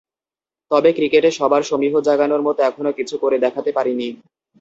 তবে ক্রিকেটে সবার সমীহ জাগানোর মতো এখনো কিছু করে দেখাতে পারিনি।